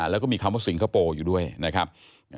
แล้วก็มีคำว่าสิงคโปร์อยู่ด้วยนะครับ